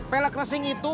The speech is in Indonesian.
pelek racing itu